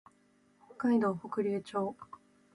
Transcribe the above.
北海道北竜町